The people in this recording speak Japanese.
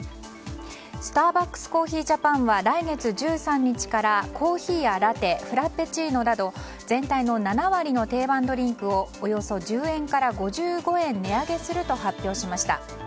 スターバックスコーヒージャパンは来月１３日からコーヒーやラテフラペチーノなど全体の７割の定番ドリンクをおよそ１０円から５５円値上げすると発表しました。